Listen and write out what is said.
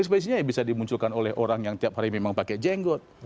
ekspesinya bisa dimunculkan oleh orang yang tiap hari memang pakai jenggot